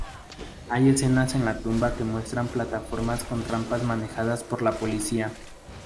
Hay escenas en la tumba que muestran plataformas con rampas manejadas por la policía.